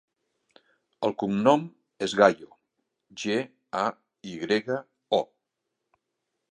El cognom és Gayo: ge, a, i grega, o.